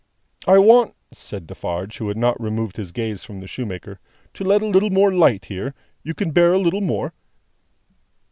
"I want," said Defarge, who had not removed his gaze from the shoemaker, "to let in a little more light here. You can bear a little more?"